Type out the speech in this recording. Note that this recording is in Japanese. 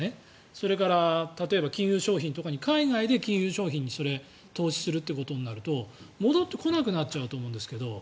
それから、例えば金融商品とか海外で金融商品に投資するとなると戻ってこなくなっちゃうと思うんですけど。